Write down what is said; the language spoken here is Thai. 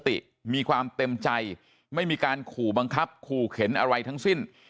ติมีความเต็มใจไม่มีการขู่บังคับขู่เข็นอะไรทั้งสิ้น